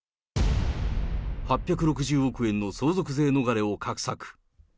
８６０億円の相続税逃れを画策。